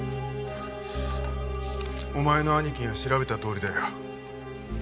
お前の兄貴が調べたとおりだよ。